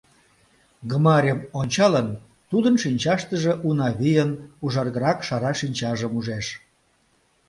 Гмарьым ончалын, тудын шинчаштыже Унавийын ужаргырак шара шинчажым ужеш.